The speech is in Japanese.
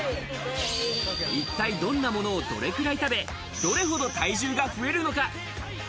一体どんなものを、どれくらい食べ、どれほど体重が増えるのか。